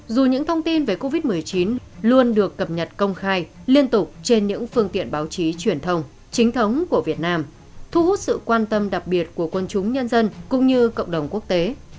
dù những thông tin về covid một mươi chín luôn được cập nhật công khai liên tục trên những phương tiện báo chí truyền thông chính thống của việt nam thu hút sự quan tâm đặc biệt của quân chúng nhân dân cũng như cộng đồng quốc tế